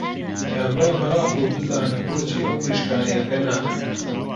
کابرا مەراق بوو بزانێ بۆچی ئەو مریشکانە هێلکە ناکەن!